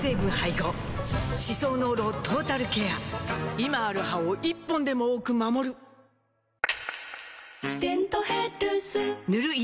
今ある歯を１本でも多く守る「デントヘルス」塗る医薬品も